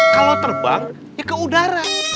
kalau terbang ya ke udara